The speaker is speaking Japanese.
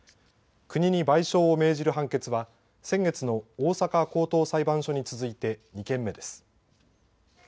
国に賠償を命じる判決は先月の大阪高等裁判所に続いて２件目です。